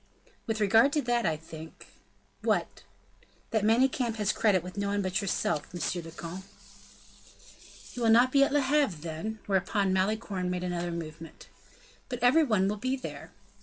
"With regard to that, I think " "What?" "That Manicamp has credit with no one but yourself, monsieur le comte!" "He will not be at Le Havre, then?" Whereupon Malicorne made another movement. "But every one will be there."